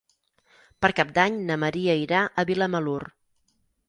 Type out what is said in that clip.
Per Cap d'Any na Maria irà a Vilamalur.